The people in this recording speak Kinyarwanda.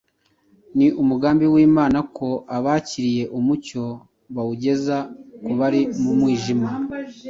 Ni umugambi w’Imana ko abakiriye umucyo bawugeza ku bari mu mwijima.